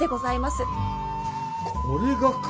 これがか。